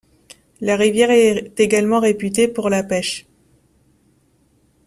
La rivière est également réputée pour la pêche.